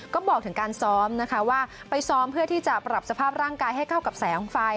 ก็บอกถึงการซ้อมนะคะว่าไปซ้อมเพื่อที่จะปรับสภาพร่างกายให้เข้ากับแสงไฟ